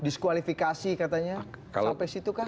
diskualifikasi katanya sampai situ kan